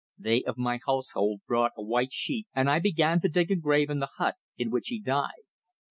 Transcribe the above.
They of my household brought a white sheet, and I began to dig a grave in the hut in which he died.